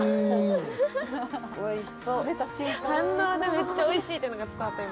めっちゃおいしいっていうのが伝わった今。